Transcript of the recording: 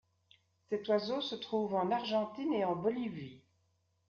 Cet oiseau se trouve en Argentine et en Bolivie.